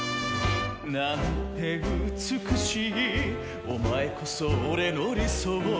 「なんて美しいお前こそ俺の理想」